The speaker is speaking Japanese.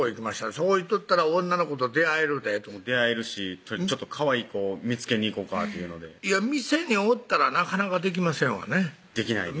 「そこ行っとったら女の子と出会えるで」と出会えるしかわいい子見つけに行こかというので店におったらなかなかできませんわねできないです